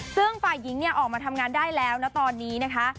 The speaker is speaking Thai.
ซึ่งฝ่ายหญิงเนี่ยออกมาทำงานได้แล้วนะตอนนี้นะคะ